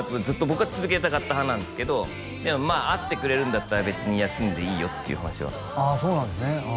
ずっと僕は続けたかった派なんですけどまあ会ってくれるんだったら別に休んでいいよっていう話はああそうなんですね